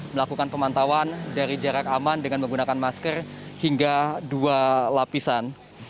melakukan pemantauan dari jarak aman dengan menggunakan masker hingga dua lapisan